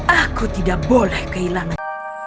aku tidak boleh kehilangan